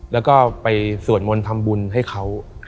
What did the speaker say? แล้วก็ไปสวดมนต์ทำบุญให้เขา